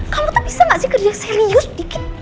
kamu tuh bisa gak sih kerja serius dikit